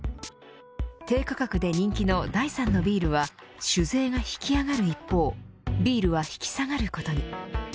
低価格で人気の第３のビールは酒税が引き上がる一方ビールは引き下がることに。